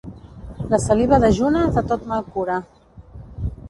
La saliva dejuna de tot mal cura.